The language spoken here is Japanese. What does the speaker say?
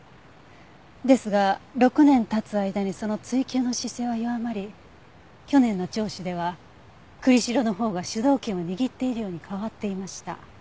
ですが６年経つ間にその追及の姿勢は弱まり去年の聴取では栗城のほうが主導権を握っているように変わっていました。